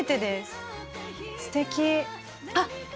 あっ！